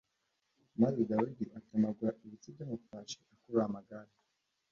Maze Dawidi atemagura ibitsi by’amafarashi akurura amagare